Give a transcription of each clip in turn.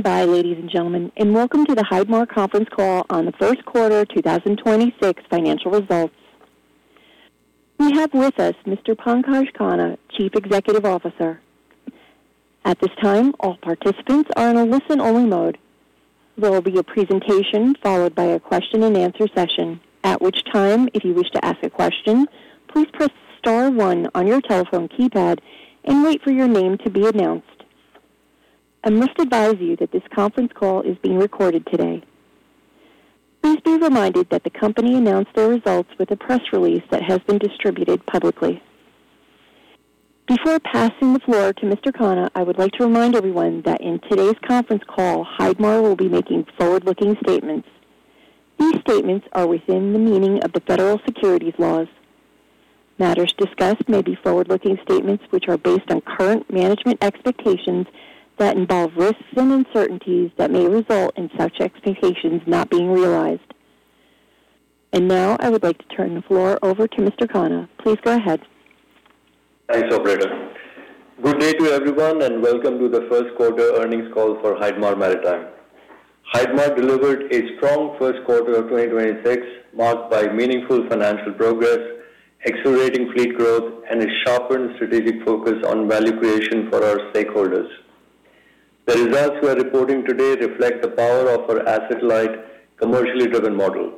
Thank you for standing by, ladies and gentlemen, and welcome to the Heidmar Conference Call on the First Quarter 2026 Financial Results. We have with us Mr. Pankaj Khanna, Chief Executive Officer. At this time, all participants are in a listen-only mode. There will be a presentation followed by a question and answer session. At which time, if you wish to ask a question, please press star one on your telephone keypad and wait for your name to be announced. I must advise you that this conference call is being recorded today. Please be reminded that the company announced their results with a press release that has been distributed publicly. Before passing the floor to Mr. Khanna, I would like to remind everyone that in today's conference call, Heidmar will be making forward-looking statements. These statements are within the meaning of the federal securities laws. Matters discussed may be forward-looking statements which are based on current management expectations that involve risks and uncertainties that may result in such expectations not being realized. Now I would like to turn the floor over to Mr. Khanna. Please go ahead. Thanks, operator. Good day to everyone, and welcome to the first quarter earnings call for Heidmar Maritime. Heidmar delivered a strong first quarter of 2026, marked by meaningful financial progress, accelerating fleet growth, and a sharpened strategic focus on value creation for our stakeholders. The results we're reporting today reflect the power of our asset-light, commercially driven model,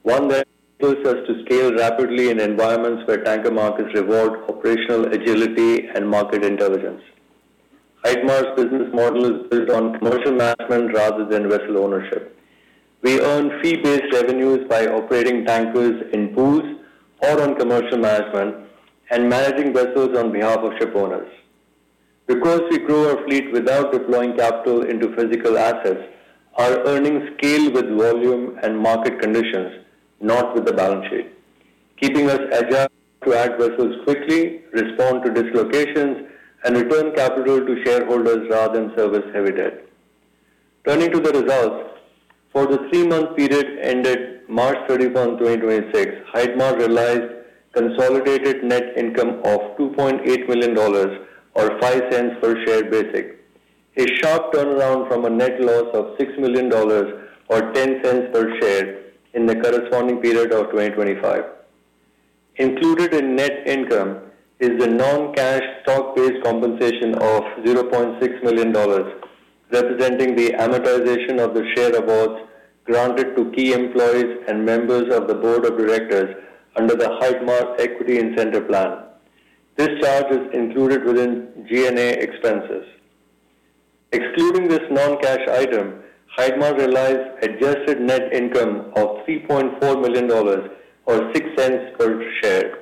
one that enables us to scale rapidly in environments where tanker markets reward operational agility and market intelligence. Heidmar's business model is built on commercial management rather than vessel ownership. We earn fee-based revenues by operating tankers in pools or on commercial management and managing vessels on behalf of shipowners. Because we grow our fleet without deploying capital into physical assets, our earnings scale with volume and market conditions, not with the balance sheet, keeping us agile to add vessels quickly, respond to dislocations, and return capital to shareholders rather than service heavy debt. Turning to the results. For the three-month period ended March 31, 2026, Heidmar realized consolidated net income of $2.8 million, or $0.05 per share basic, a sharp turnaround from a net loss of $6 million, or $0.10 per share in the corresponding period of 2025. Included in net income is the non-cash stock-based compensation of $0.6 million, representing the amortization of the share awards granted to key employees and members of the Board of Directors under the Heidmar Equity Incentive Plan. This charge is included within G&A expenses. Excluding this non-cash item, Heidmar realized adjusted net income of $3.4 million, or $0.06 per share,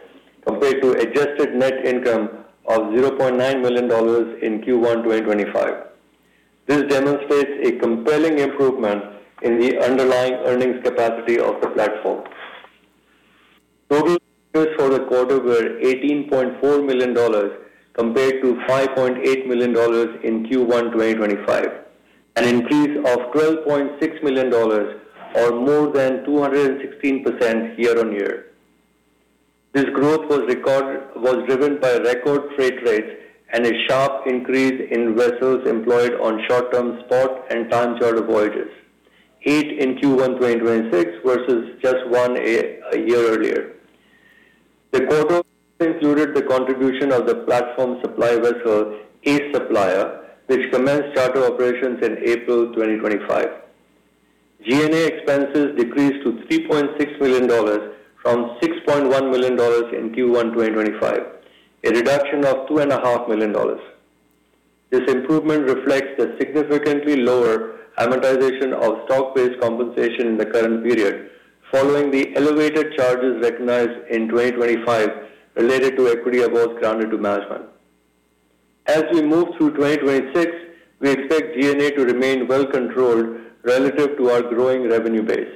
compared to adjusted net income of $0.9 million in Q1 2025. This demonstrates a compelling improvement in the underlying earnings capacity of the platform. Total for the quarter were $18.4 million, compared to $5.8 million in Q1 2025, an increase of $12.6 million or more than 216% year-on-year. This growth was driven by record freight rates and a sharp increase in vessels employed on short-term spot and time charter voyages. Eight in Q1 2026 versus just one a year earlier. The quarter included the contribution of the platform supply vessel, Ace Supplier, which commenced charter operations in April 2025. G&A expenses decreased to $3.6 million from $6.1 million in Q1 2025, a reduction of $2.5 million. This improvement reflects the significantly lower amortization of stock-based compensation in the current period, following the elevated charges recognized in 2025 related to equity awards granted to management. As we move through 2026, we expect G&A to remain well controlled relative to our growing revenue base.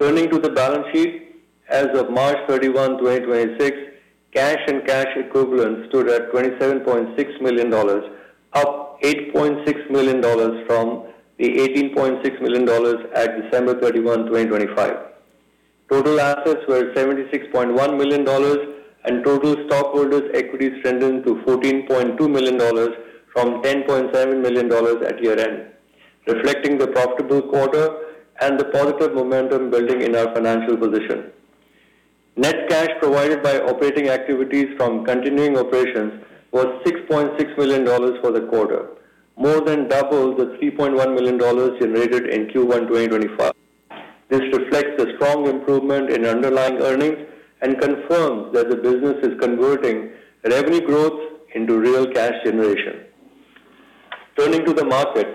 Turning to the balance sheet. As of March 31, 2026, cash and cash equivalents stood at $27.6 million, up $8.6 million from the $18.6 million at December 31, 2025. Total assets were at $76.1 million, and total stockholders' equity strengthened to $14.2 million from $10.7 million at year-end, reflecting the profitable quarter and the positive momentum building in our financial position. Net cash provided by operating activities from continuing operations was $6.6 million for the quarter, more than double the $3.1 million generated in Q1 2025. This reflects the strong improvement in underlying earnings and confirms that the business is converting revenue growth into real cash generation. Turning to the market.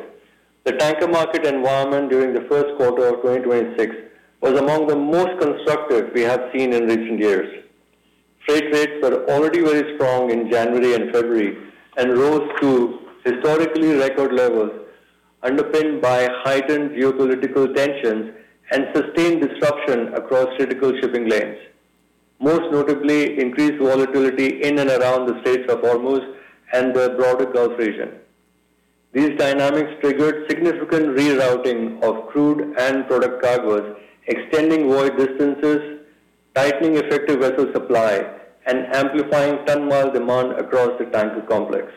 The tanker market environment during the first quarter of 2026 was among the most constructive we have seen in recent years. Freight rates were already very strong in January and February and rose to historically record levels, underpinned by heightened geopolitical tensions and sustained disruption across critical shipping lanes, most notably increased volatility in and around the Strait of Hormuz and the broader Gulf region. These dynamics triggered significant rerouting of crude and product cargoes, extending voyage distances, tightening effective vessel supply and amplifying ton-mile demand across the tanker complex.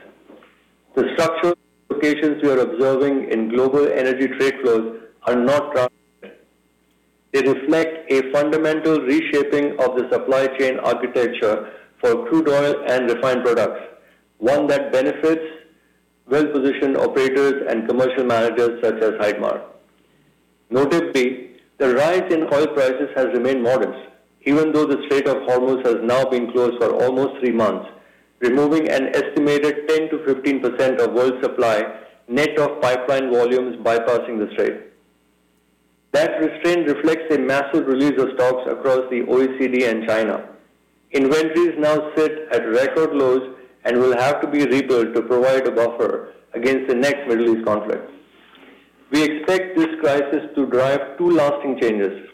The structural implications we are observing in global energy trade flows are not transient. They reflect a fundamental reshaping of the supply chain architecture for crude oil and refined products, one that benefits well-positioned operators and commercial managers such as Heidmar. Notably, the rise in oil prices has remained modest, even though the Strait of Hormuz has now been closed for almost three months, removing an estimated 10%-15% of world supply, net of pipeline volumes bypassing the strait. That restraint reflects a massive release of stocks across the OECD and China. Inventories now sit at record lows and will have to be rebuilt to provide a buffer against the next Middle East conflict. We expect this crisis to drive two lasting changes: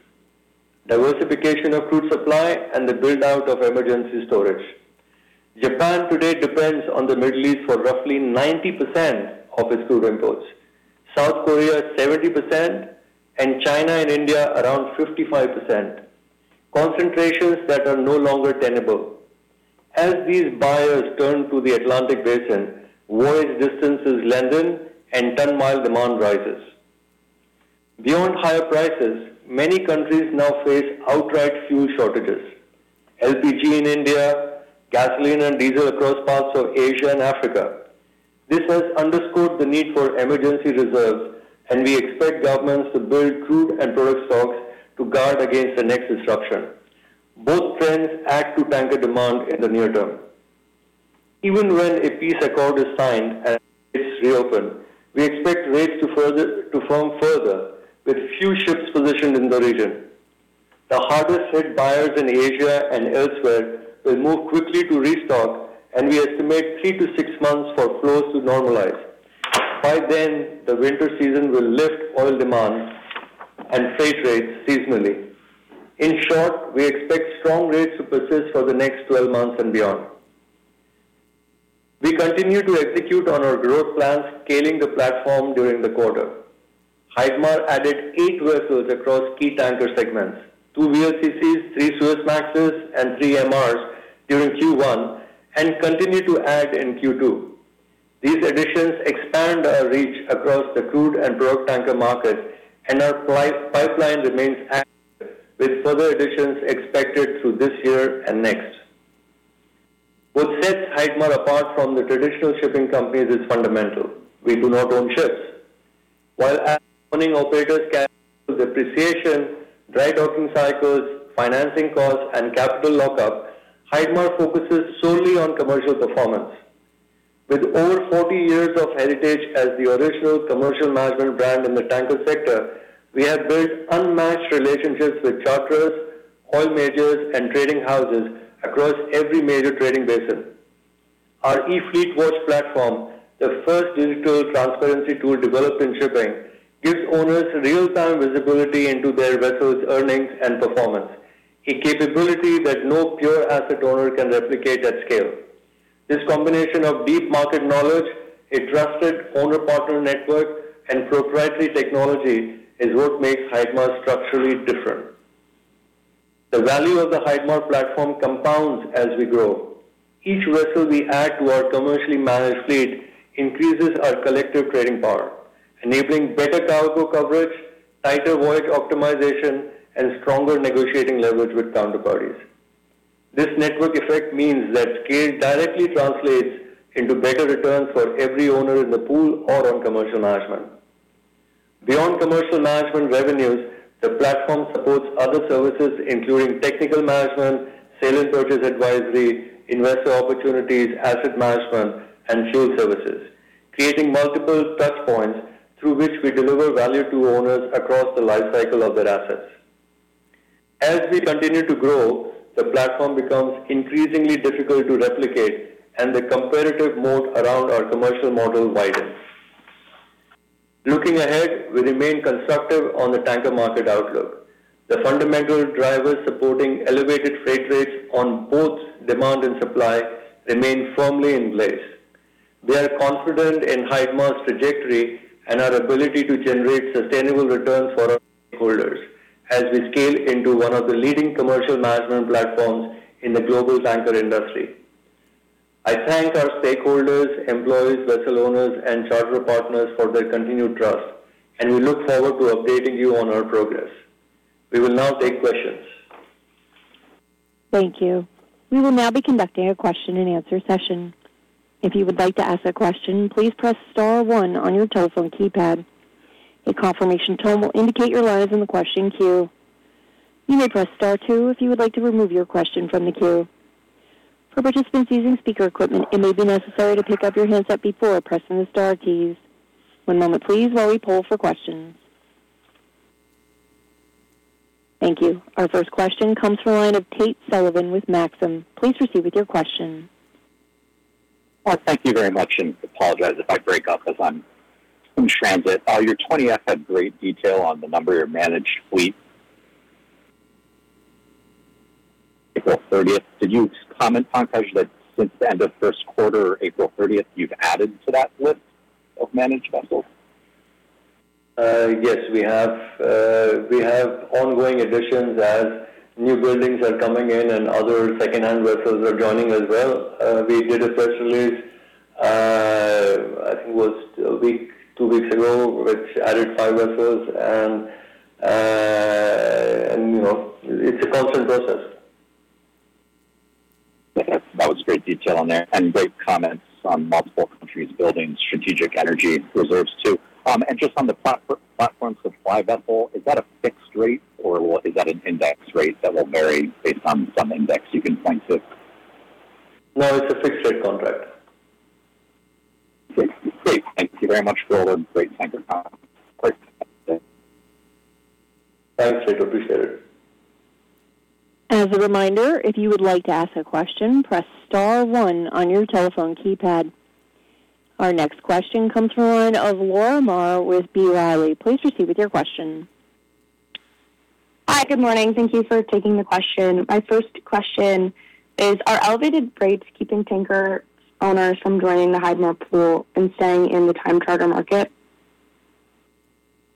diversification of crude supply and the build-out of emergency storage. Japan today depends on the Middle East for roughly 90% of its crude imports, South Korea 70%, and China and India around 55%, concentrations that are no longer tenable. As these buyers turn to the Atlantic basin, voyage distances lengthen, and ton-mile demand rises. Beyond higher prices, many countries now face outright fuel shortages, LPG in India, gasoline and diesel across parts of Asia and Africa. This has underscored the need for emergency reserves. We expect governments to build crude and product stocks to guard against the next disruption. Both trends add to tanker demand in the near term. Even when a peace accord is signed and it's reopened, we expect rates to firm further, with few ships positioned in the region. The hardest hit buyers in Asia and elsewhere will move quickly to restock. We estimate three to six months for flows to normalize. By then, the winter season will lift oil demand and freight rates seasonally. In short, we expect strong rates to persist for the next 12 months and beyond. We continue to execute on our growth plans, scaling the platform during the quarter. Heidmar added eight vessels across key tanker segments, two VLCCs, three Suezmaxes, and three MRs during Q1 and continue to add in Q2. These additions expand our reach across the crude and product tanker markets. Our pipeline remains active, with further additions expected through this year and next. What sets Heidmar apart from the traditional shipping companies is fundamental. We do not own ships. While asset-owning operators carry depreciation, dry docking cycles, financing costs, and capital lockup, Heidmar focuses solely on commercial performance. With over 40 years of heritage as the original commercial management brand in the tanker sector, we have built unmatched relationships with charterers, oil majors, and trading houses across every major trading basin. Our eFleetWatch platform, the first digital transparency tool developed in shipping, gives owners real-time visibility into their vessels' earnings and performance, a capability that no pure asset owner can replicate at scale. This combination of deep market knowledge, a trusted owner partner network, and proprietary technology is what makes Heidmar structurally different. The value of the Heidmar platform compounds as we grow. Each vessel we add to our commercially managed fleet increases our collective trading power, enabling better cargo coverage, tighter voyage optimization, and stronger negotiating leverage with counterparties. This network effect means that scale directly translates into better returns for every owner in the pool or on commercial management. Beyond commercial management revenues, the platform supports other services including technical management, sale and purchase advisory, investor opportunities, asset management, and fuel services, creating multiple touchpoints through which we deliver value to owners across the life cycle of their assets. As we continue to grow, the platform becomes increasingly difficult to replicate and the comparative moat around our commercial model widens. Looking ahead, we remain constructive on the tanker market outlook. The fundamental drivers supporting elevated freight rates on both demand and supply remain firmly in place. We are confident in Heidmar's trajectory and our ability to generate sustainable returns for our stakeholders as we scale into one of the leading commercial management platforms in the global tanker industry. I thank our stakeholders, employees, vessel owners, and charterer partners for their continued trust, and we look forward to updating you on our progress. We will now take questions. Thank you. We will now be conducting a question and answer session. If you would like to ask a question, please press star one on your telephone keypad. A confirmation tone will indicate your line is in the question queue. You may press star two if you would like to remove your question from the queue. For participants using speaker equipment, it may be necessary to pick up your handset before pressing the star keys. One moment, please, while we poll for questions. Thank you. Our first question comes from the line of Tate Sullivan with Maxim. Please proceed with your question. Well, thank you very much, and apologize if I break up as I'm in transit. Your 20F had great detail on the number of your managed fleet. April 30th, could you comment on, Pankaj, that since the end of first quarter or April 30th, you've added to that list of managed vessels? Yes, we have ongoing additions as new buildings are coming in and other secondhand vessels are joining as well. We did a press release, I think it was a week, two weeks ago, which added five vessels and it's a constant process. Okay. That was great detail on there and great comments on multiple countries building strategic energy reserves too. Just on the platform supply vessel, is that a fixed rate or is that an index rate that will vary based on some index you can point to? No, it's a fixed rate contract. Great. Thank you very much, [Khanna]. Thanks, [Tate]. Appreciate it. As a reminder, if you would like to ask a question, press star one on your telephone keypad. Our next question comes from the line of Laura Maher with B. Riley. Please proceed with your question. Hi, good morning. Thank you for taking the question. My first question is, are elevated rates keeping tanker owners from joining the Heidmar pool and staying in the time charter market?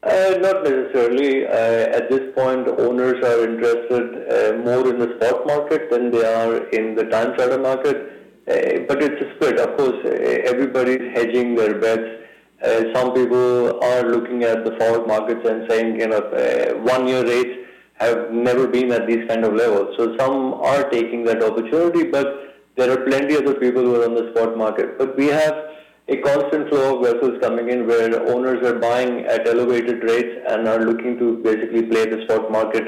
Not necessarily. At this point, owners are interested more in the spot market than they are in the time charter market. It's split, of course, everybody's hedging their bets. Some people are looking at the forward markets and saying, one year rates have never been at these kind of levels. Some are taking that opportunity, but there are plenty of people who are on the spot market. We have a constant flow of vessels coming in where owners are buying at elevated rates and are looking to basically play the spot market,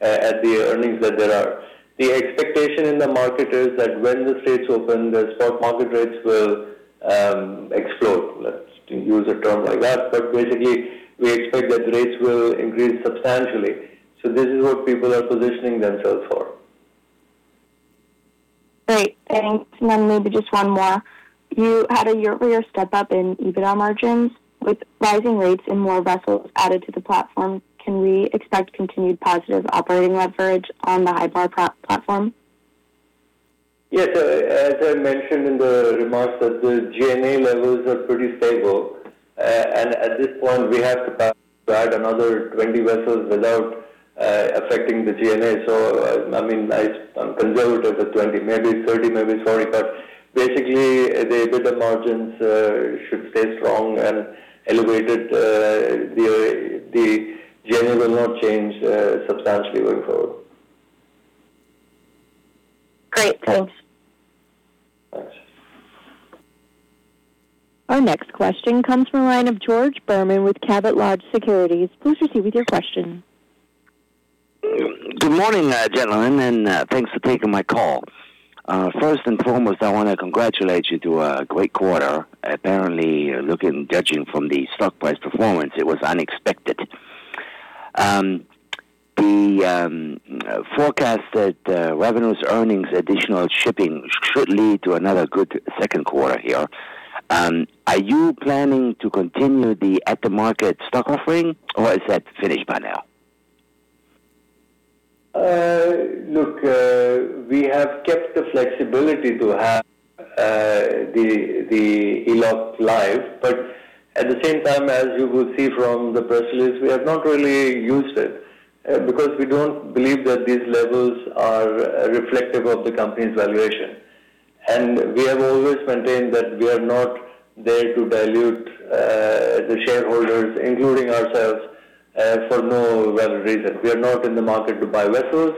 at the earnings that there are. The expectation in the market is that when the straits open, the spot market rates will explode. Let's use a term like that. Basically, we expect that rates will increase substantially. This is what people are positioning themselves for. Great, thanks. Maybe just one more. You had a year-over-year step-up in EBITDA margins. With rising rates and more vessels added to the platform, can we expect continued positive operating leverage on the Heidmar platform? Yes. As I mentioned in the remarks that the G&A levels are pretty stable. At this point, we have the capacity to add another 20 vessels without affecting the G&A. I'm conservative of 20, maybe 30, maybe 40, but basically, the EBITDA margins should stay strong and elevated. The G&A will not change substantially going forward. Great. Thanks. Thanks. Our next question comes from the line of George Berman with Cabot Lodge Securities. Please proceed with your question. Good morning, gentlemen, and thanks for taking my call. First and foremost, I want to congratulate you to a great quarter. Apparently, judging from the stock price performance, it was unexpected. The forecasted revenues, earnings, additional shipping should lead to another good second quarter here. Are you planning to continue the at the market stock offering or is that finished by now? Look, we have kept the flexibility to have the ELOC live, but at the same time, as you will see from the press release, we have not really used it because we don't believe that these levels are reflective of the company's valuation. We have always maintained that we are not there to dilute the shareholders, including ourselves, for no valid reason. We are not in the market to buy vessels.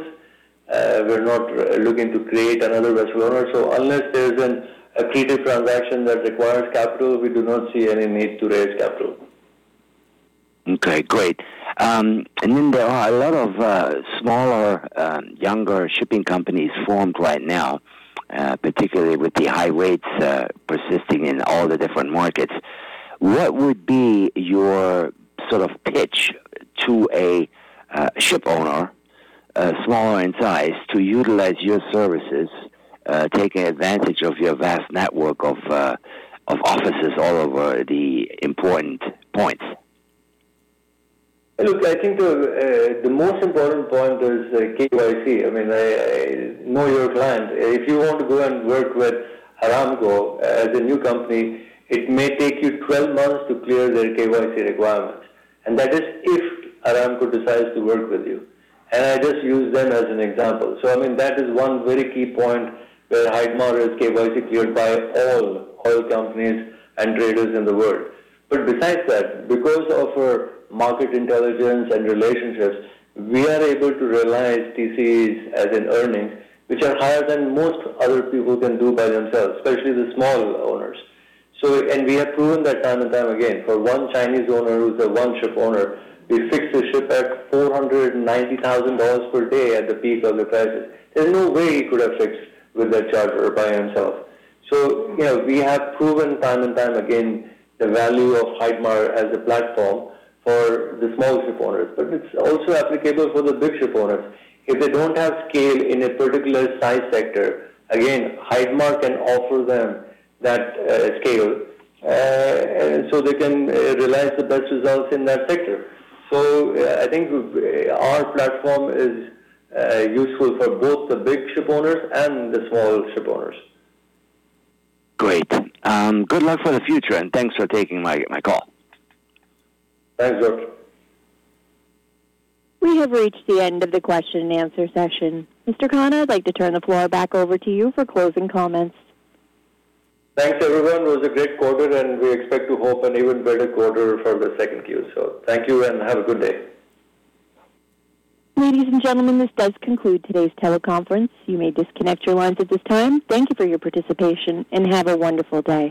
We're not looking to create another vessel owner. Unless there's an accretive transaction that requires capital, we do not see any need to raise capital. Okay, great. There are a lot of smaller, younger shipping companies formed right now, particularly with the high rates persisting in all the different markets. What would be your sort of pitch to a ship owner, smaller in size, to utilize your services, taking advantage of your vast network of offices all over the important points? Look, I think the most important point is KYC. Know your client. If you want to go and work with Aramco as a new company, it may take you 12 months to clear their KYC requirements, and that is if Aramco decides to work with you. I just use them as an example. That is one very key point where Heidmar is KYC cleared by all oil companies and traders in the world. Besides that, because of our market intelligence and relationships, we are able to realize TCEs as in earnings, which are higher than most other people can do by themselves, especially the small owners. We have proven that time and time again. For one Chinese owner who's a one-ship owner, we fixed the ship at $490,000 per day at the peak of the crisis. There's no way he could have fixed with that charter by himself. We have proven time and time again the value of Heidmar as a platform for the small ship owners, but it's also applicable for the big ship owners. If they don't have scale in a particular size sector, again, Heidmar can offer them that scale, so they can realize the best results in that sector. I think our platform is useful for both the big ship owners and the small ship owners. Great. Good luck for the future, and thanks for taking my call. Thanks, George. We have reached the end of the question and answer session. Mr. Khanna, I'd like to turn the floor back over to you for closing comments. Thanks, everyone. It was a great quarter. We expect to hope an even better quarter for Q2. Thank you and have a good day. Ladies and gentlemen, this does conclude today's teleconference. You may disconnect your lines at this time. Thank you for your participation, and have a wonderful day.